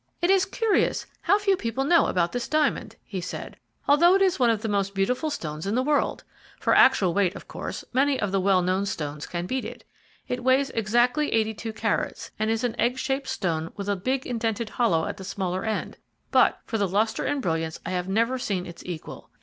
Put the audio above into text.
"It is curious how few people know about this diamond," he said, "although it is one of the most beautiful stones in the world. For actual weight, of course, many of the well known stones can beat it. It weighs exactly eighty two carats, and is an egg shaped stone with a big indented hollow at the smaller end; but for lustre and brilliance I have never seen its equal.